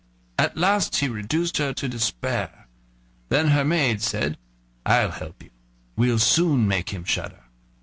At last he reduced her to despair. Then her maid said: "I'll help you; we'll soon make him shudder."